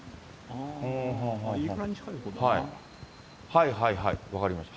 はいはいはい、分かりました。